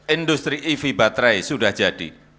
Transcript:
industri ev baterai sudah jadi